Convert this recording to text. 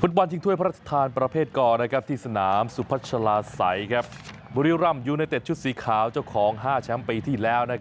ฟุตบอลชิงถ้วยพระราชทานประเภทกที่สนามสุพัชลาศัยบุรีรำยูไนเต็ดชุดสีขาวเจ้าของ๕แชมป์ปีที่แล้ว